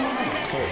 はい。